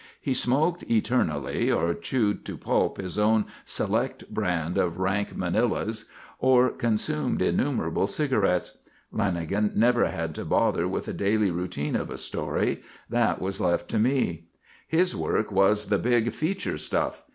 He smoked eternally or chewed to pulp his own select brand of rank Manilas, or consumed innumerable cigarettes. Lanagan never had to bother with the daily routine of a story; that was all left to me. His work was the big "feature" stuff.